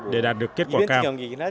để đạt được kết quả cao